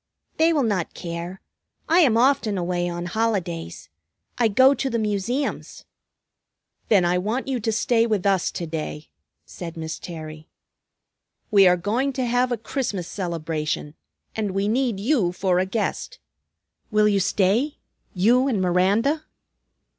"They will not care. I am often away on holidays. I go to the Museums." "Then I want you to stay with us to day," said Miss Terry. "We are going to have a Christmas celebration, and we need you for a guest. Will you stay, you and Miranda?"